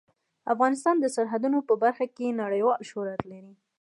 افغانستان د سرحدونه په برخه کې نړیوال شهرت لري.